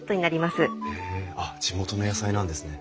へえあっ地元の野菜なんですね。